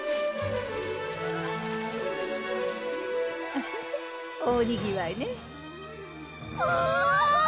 フフフ大にぎわいねおぉ！